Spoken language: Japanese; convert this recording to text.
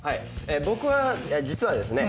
僕は実はですね